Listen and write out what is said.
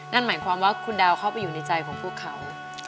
นั่นหมายความว่าคุณดาวเข้าไปอยู่ในใจของพวกเขา